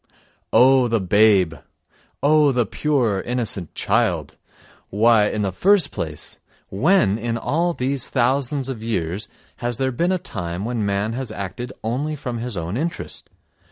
Oh, the babe! Oh, the pure, innocent child! Why, in the first place, when in all these thousands of years has there been a time when man has acted only from his own interest?